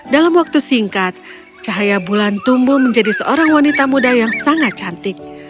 dalam waktu singkat cahaya bulan tumbuh menjadi seorang wanita muda yang sangat cantik